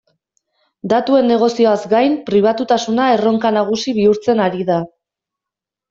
Datuen negozioaz gain, pribatutasuna erronka nagusi bihurtzen ari da.